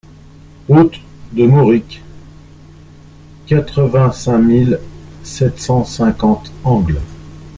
Route de Moricq, quatre-vingt-cinq mille sept cent cinquante Angles